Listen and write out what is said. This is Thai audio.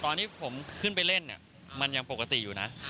ตอนที่ผมขึ้นไปเล่นเนี่ยมันยังปกติอยู่นะ